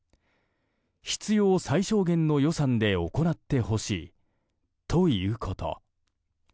必要最小限の予算で行ってほしいということ。